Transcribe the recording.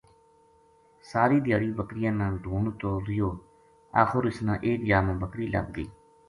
ساری دھیاڑی بکریاں نا ڈھُونڈتو رہیو آخر اس نا ایک جا ما بکری لَبھ گئی